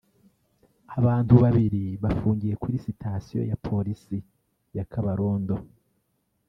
Abantu babiri bafungiye kuri sitasiyo ya Polisi ya Kabarondo